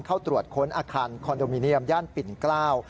เข้าตรวจค้นอาคารคอนโดมิเนียมย่านปิ่นเกล้า